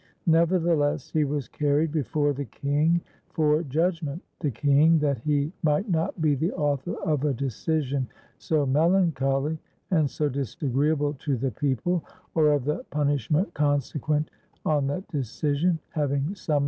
Nevertheless, he was carried before the king for judg ment. The king, that he might not be the author of a decision so melancholy, and so disagreeable to the peo ple, or of the punishment consequent on that decision, having summ.